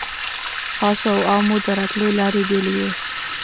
خاصو او عامو د راتلو لارې بېلې وې.